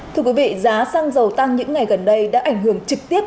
thưa quý vị giá xăng dầu tăng những ngày gần đây đã ảnh hưởng trực tiếp